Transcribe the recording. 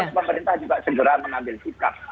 pemerintah juga segera mengambil sikap